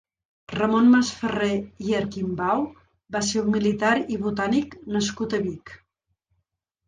Ramon Masferrer i Arquimbau va ser un militar i botànic nascut a Vic.